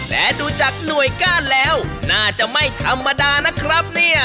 และดูจากหน่วยก้านแล้วน่าจะไม่ธรรมดานะครับเนี่ย